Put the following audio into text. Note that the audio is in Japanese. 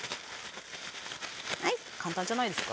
はい簡単じゃないですか？